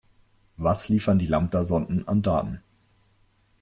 Was liefern die Lambda-Sonden an Daten?